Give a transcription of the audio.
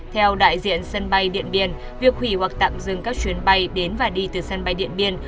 theo đại diện sân bay điện biên việc hủy hoặc tạm dừng các chuyến bay đến và đi từ sân bay điện biên